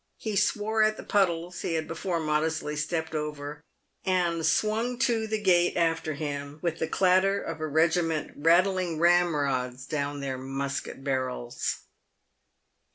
He swore at the puddles he had before modestly stepped over, and swung to the gate after him with the clatter of a regiment rattling ramrods down their musket barrels.